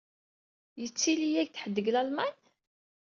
Yettili-yak-d ḥedd deg Lalman?